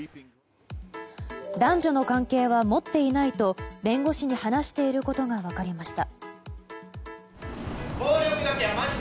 男女の関係は持っていないと弁護士に話していることが分かりました。